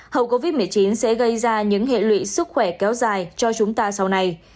hậu covid một mươi chín sẽ gây ra những hệ lụy sức khỏe kéo dài cho chúng ta sau này